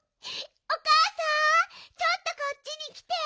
おかあさんちょっとこっちにきて！